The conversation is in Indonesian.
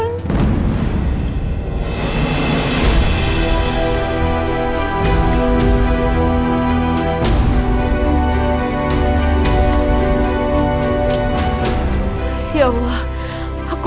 ya allah aku mohon selamatkan raja suamiku